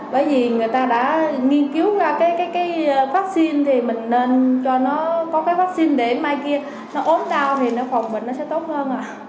bởi vì người ta đã nghiên cứu ra cái vaccine thì mình nên cho nó có cái vaccine để mai kia nó ốm đau thì nó phòng bệnh nó sẽ tốt hơn